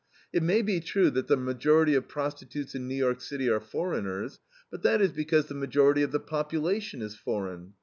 It may be true that the majority of prostitutes in New York City are foreigners, but that is because the majority of the population is foreign.